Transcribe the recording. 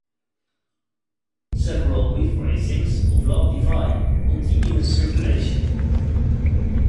Several rephrasings of "Love Divine" continue in circulation.